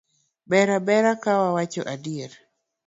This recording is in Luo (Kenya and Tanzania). Ber a bera ka wawacho adier